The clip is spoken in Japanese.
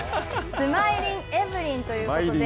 スマイルエブリンということで。